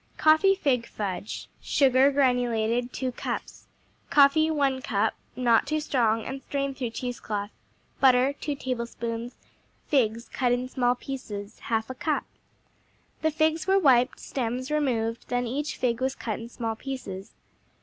Coffee Fig Fudge Sugar (granulated), 2 cups Coffee, 1 cup (Not too strong, and strain through cheesecloth.) Butter, 2 tablespoons Figs (cut in small pieces), 1/2 cup The figs were wiped, stems removed, then each fig was cut in small pieces.